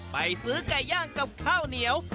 ไปซื้อไก่ย่างกับข้าวเหนียว